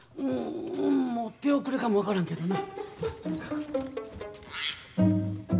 もう手遅れかも分からんけどな。